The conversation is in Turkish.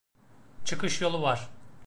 Çıkış yolu var.